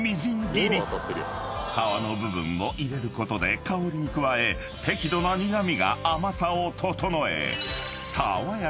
［皮の部分を入れることで香りに加え適度な苦味が甘さを調え］